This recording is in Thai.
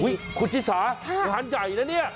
อุ๊ยคุณจิตสาธารณ์ใหญ่นะเนี่ย